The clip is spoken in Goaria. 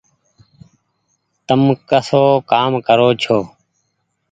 تم ڪسو ڪآم ڪرو ڇو۔